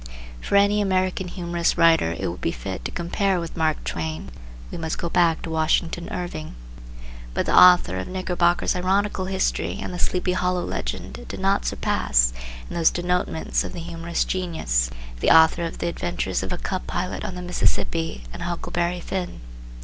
For any American humorous writer it would be fit to compare with Mark Twain we must go back to Washington Irving. But the author of Knickerbocker's ironical history and the Sleepy Hollow legend did not surpass, in those denotements of the humorous genius, the author of "The Adventures of a Cub Pilot on the Mississippi" and "Huckleberry Finn."